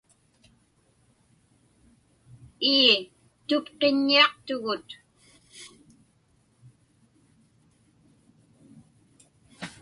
Ii, tupqiññiaqtugut.